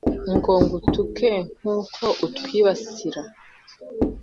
Ngo ngutuke nkuko utwibasira